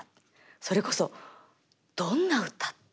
それこそどんな歌？